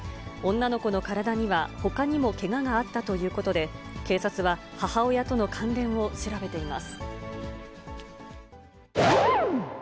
女の子の体には、ほかにもけががあったということで、警察は母親との関連を調べています。